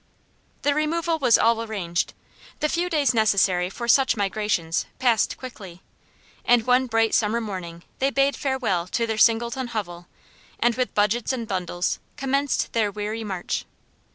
The removal was all arranged; the few days necessary for such migrations passed quickly, and one bright summer morning they bade farewell to their Singleton hovel, and with budgets and bundles commenced their weary march.